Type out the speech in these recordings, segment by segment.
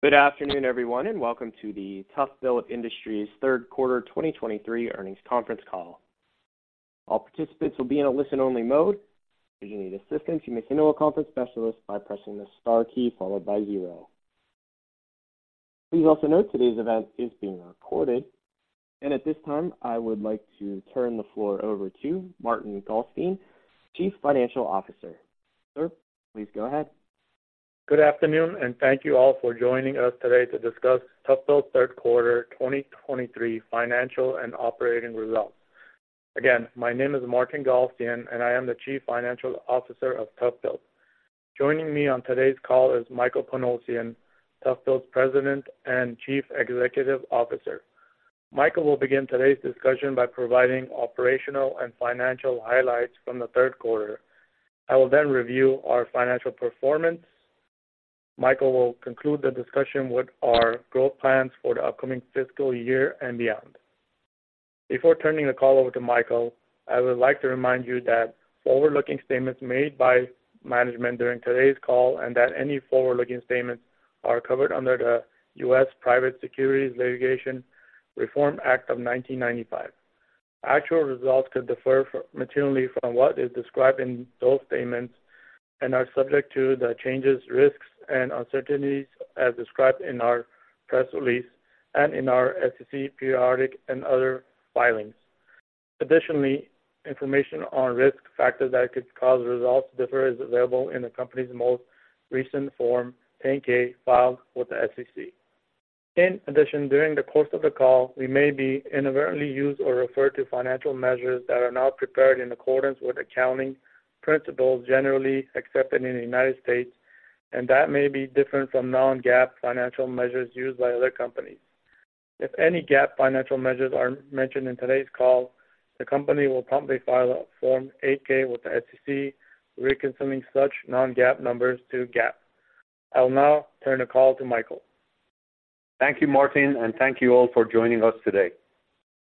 Good afternoon, everyone, and welcome to the ToughBuilt Industries third quarter 2023 earnings conference call. All participants will be in a listen-only mode. If you need assistance, you may signal a conference specialist by pressing the star key followed by zero. Please also note today's event is being recorded, and at this time, I would like to turn the floor over to Martin Galstyan, Chief Financial Officer. Sir, please go ahead. Good afternoon, and thank you all for joining us today to discuss ToughBuilt's third quarter 2023 financial and operating results. Again, my name is Martin Galstyan, and I am the Chief Financial Officer of ToughBuilt. Joining me on today's call is Michael Panosian, ToughBuilt's President and Chief Executive Officer. Michael will begin today's discussion by providing operational and financial highlights from the third quarter. I will then review our financial performance. Michael will conclude the discussion with our growth plans for the upcoming fiscal year and beyond. Before turning the call over to Michael, I would like to remind you that forward-looking statements made by management during today's call, and that any forward-looking statements are covered under the U.S. Private Securities Litigation Reform Act of 1995. Actual results could differ materially from what is described in those statements and are subject to the changes, risks, and uncertainties as described in our press release and in our SEC periodic and other filings. Additionally, information on risk factors that could cause results to differ is available in the company's most recent Form 10-K filed with the SEC. In addition, during the course of the call, we may inadvertently use or refer to financial measures that are not prepared in accordance with accounting principles generally accepted in the United States, and that may be different from non-GAAP financial measures used by other companies. If any GAAP financial measures are mentioned in today's call, the company will promptly file a Form 8-K with the SEC, reconciling such non-GAAP numbers to GAAP. I'll now turn the call to Michael. Thank you, Martin, and thank you all for joining us today.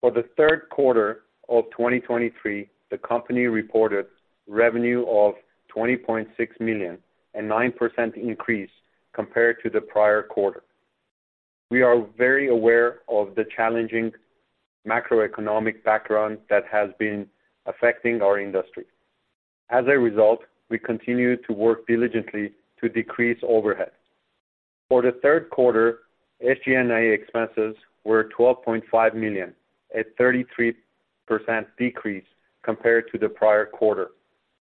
For the third quarter of 2023, the company reported revenue of $20.6 million, a 9% increase compared to the prior quarter. We are very aware of the challenging macroeconomic background that has been affecting our industry. As a result, we continue to work diligently to decrease overhead. For the third quarter, SG&A expenses were $12.5 million, a 33% decrease compared to the prior quarter,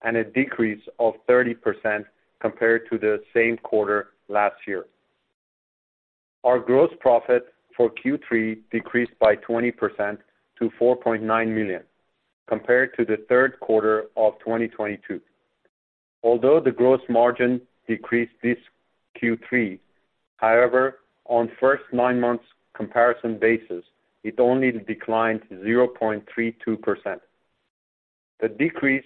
and a decrease of 30% compared to the same quarter last year. Our gross profit for Q3 decreased by 20% to $4.9 million, compared to the third quarter of 2022. Although the gross margin decreased this Q3, however, on first nine months comparison basis, it only declined 0.32%. The decrease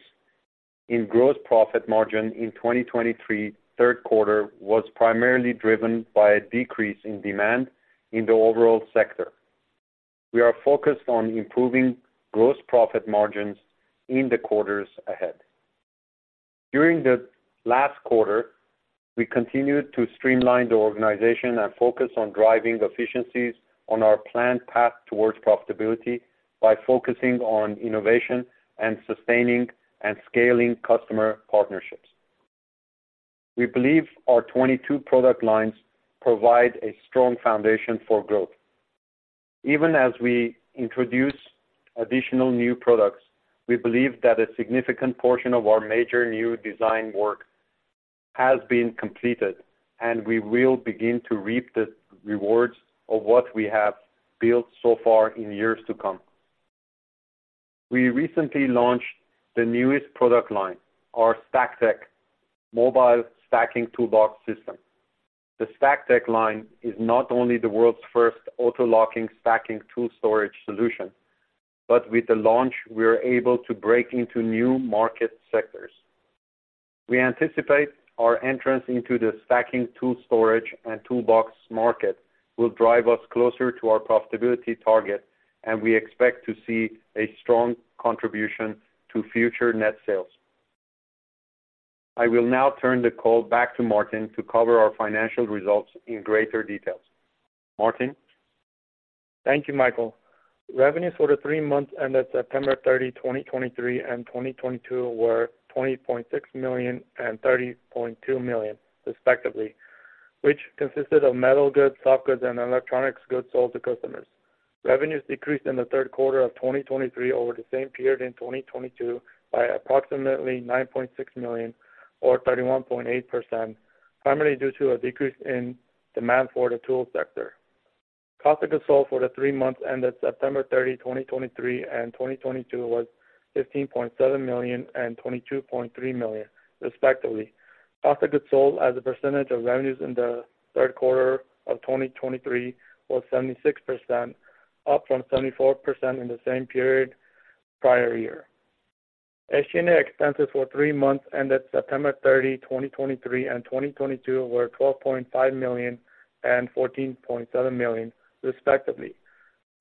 in gross profit margin in 2023, third quarter, was primarily driven by a decrease in demand in the overall sector. We are focused on improving gross profit margins in the quarters ahead. During the last quarter, we continued to streamline the organization and focus on driving efficiencies on our planned path towards profitability by focusing on innovation and sustaining and scaling customer partnerships. We believe our 22 product lines provide a strong foundation for growth. Even as we introduce additional new products, we believe that a significant portion of our major new design work has been completed, and we will begin to reap the rewards of what we have built so far in years to come. We recently launched the newest product line, our StackTech Mobile Stacking Toolbox System. The StackTech line is not only the world's first auto-locking stacking tool storage solution, but with the launch, we are able to break into new market sectors. We anticipate our entrance into the stacking tool storage and toolbox market will drive us closer to our profitability target, and we expect to see a strong contribution to future net sales. I will now turn the call back to Martin to cover our financial results in greater details. Martin? Thank you, Michael. Revenues for the three months ended September 30, 2023 and 2022 were $20.6 million and $30.2 million, respectively, which consisted of metal goods, soft goods, and electronics goods sold to customers. Revenues decreased in the third quarter of 2023 over the same period in 2022 by approximately $9.6 million, or 31.8%, primarily due to a decrease in demand for the tool sector. Cost of goods sold for the three months ended September 30, 2023 and 2022 was $15.7 million and $22.3 million, respectively. Cost of goods sold as a percentage of revenues in the third quarter of 2023 was 76%, up from 74% in the same period prior year. SG&A expenses for the three months ended September 30, 2023 and 2022, were $12.5 million and $14.7 million, respectively.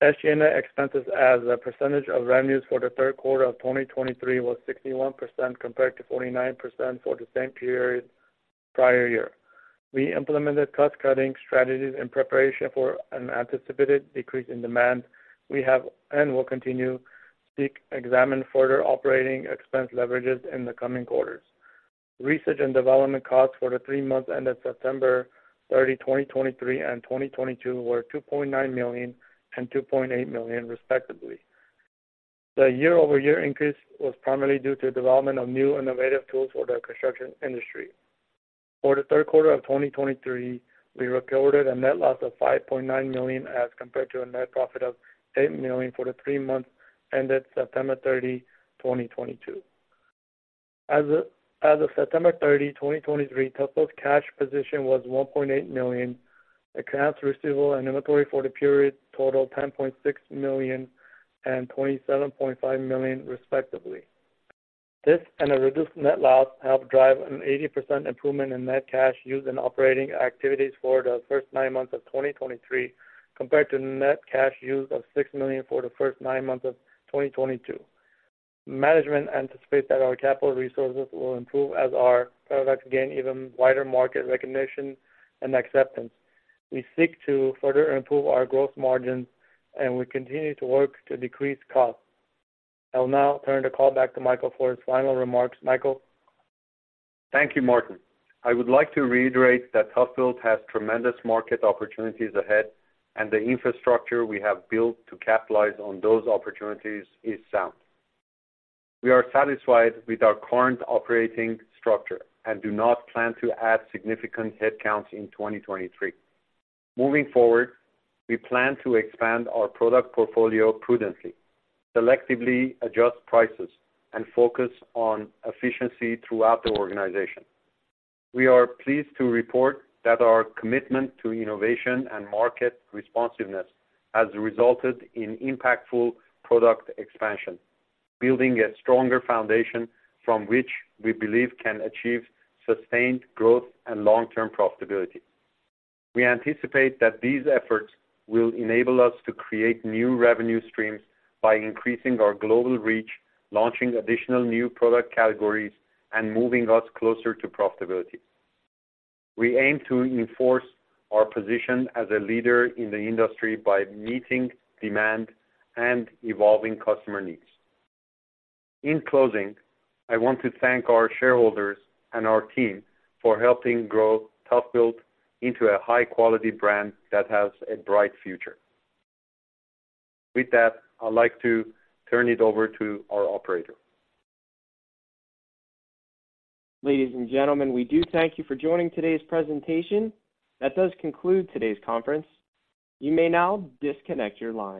SG&A expenses as a percentage of revenues for the third quarter of 2023 was 61%, compared to 49% for the same period prior year. We implemented cost-cutting strategies in preparation for an anticipated decrease in demand. We have and will continue to seek examine further operating expense leverages in the coming quarters. Research and development costs for the three months ended September 30, 2023 and 2022 were $2.9 million and $2.8 million, respectively. The year-over-year increase was primarily due to development of new innovative tools for the construction industry. For the third quarter of 2023, we recorded a net loss of $5.9 million, as compared to a net profit of $8 million for the three months ended September 30, 2022. As of September 30, 2023, ToughBuilt's cash position was $1.8 million. Accounts receivable and inventory for the period totaled $10.6 million and $27.5 million, respectively. This and a reduced net loss helped drive an 80% improvement in net cash used in operating activities for the first nine months of 2023, compared to net cash used of $6 million for the first nine months of 2022. Management anticipates that our capital resources will improve as our products gain even wider market recognition and acceptance. We seek to further improve our gross margins, and we continue to work to decrease costs. I'll now turn the call back to Michael for his final remarks. Michael? Thank you, Martin. I would like to reiterate that ToughBuilt has tremendous market opportunities ahead, and the infrastructure we have built to capitalize on those opportunities is sound. We are satisfied with our current operating structure and do not plan to add significant headcounts in 2023. Moving forward, we plan to expand our product portfolio prudently, selectively adjust prices, and focus on efficiency throughout the organization. We are pleased to report that our commitment to innovation and market responsiveness has resulted in impactful product expansion, building a stronger foundation from which we believe can achieve sustained growth and long-term profitability. We anticipate that these efforts will enable us to create new revenue streams by increasing our global reach, launching additional new product categories, and moving us closer to profitability. We aim to enforce our position as a leader in the industry by meeting demand and evolving customer needs. In closing, I want to thank our shareholders and our team for helping grow ToughBuilt into a high-quality brand that has a bright future. With that, I'd like to turn it over to our operator. Ladies and gentlemen, we do thank you for joining today's presentation. That does conclude today's conference. You may now disconnect your line.